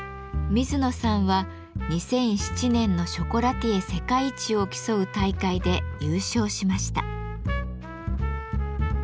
水野さんは２００７年のショコラティエ世界一を競う大会で優勝しました。